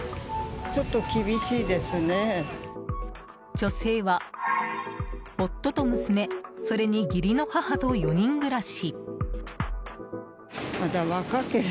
女性は夫と娘それに義理の母と４人暮らし。